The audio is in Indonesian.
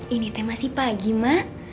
ini teh masih pagi mak